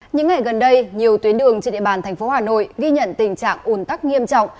những ngày gần đây nhiều tuyến đường trên địa bàn tp hà nội ghi nhận tình trạng ồn tắc nghiêm trọng